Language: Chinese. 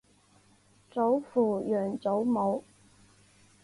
祖父杨祖武。